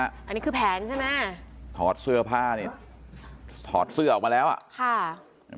อันนี้คือแผนใช่ไหมถอดเสื้อผ้านี่ถอดเสื้อออกมาแล้วอ่ะค่ะ